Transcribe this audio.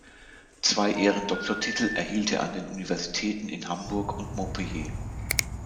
Zwei Ehrendoktortitel erhielt er an den Universitäten in Hamburg und Montpellier.